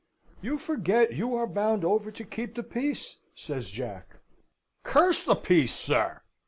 "You forget you are bound over to keep the peace," says Jack. "Curse the peace, sir!